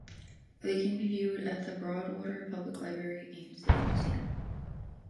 They can be viewed at the Broadwater Public Library and City Museum.